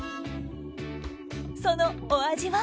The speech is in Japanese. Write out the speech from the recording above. そのお味は。